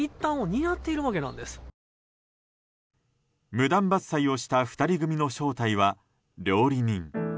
無断伐採をした２人組の正体は料理人。